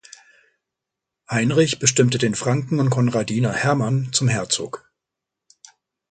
Heinrich bestimmte den Franken und Konradiner Hermann zum Herzog.